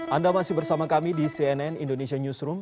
anda masih bersama kami di cnn indonesia newsroom